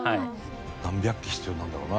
何百基必要なんだろうな。